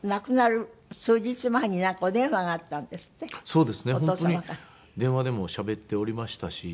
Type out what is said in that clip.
本当に電話でもしゃべっておりましたし。